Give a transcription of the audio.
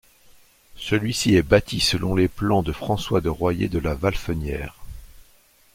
Celui-ci est bâti selon les plans de François de Royers de la Valfenière.